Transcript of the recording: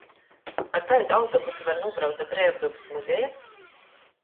Ar kaidu autobusu var nūbraukt da Breivdobys muzeja?